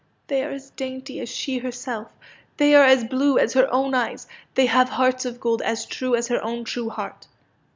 '' They are as dainty as she herself. They are blue as her own eyes. They have hearts of gold as true as her own true heart."